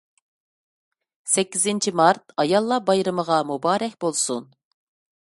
«سەككىزىنچى مارت» ئاياللار بايرىمىغا مۇبارەك بولسۇن.